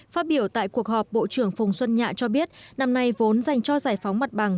phát biểu tại cuộc họp bộ trưởng phùng xuân nhạ cho biết năm nay vốn dành cho giải phóng mặt bằng